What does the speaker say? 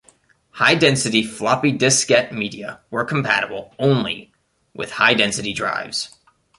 High-density floppy diskette media were compatible only with high-density drives.